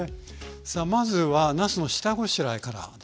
さあまずはなすの下ごしらえからですね。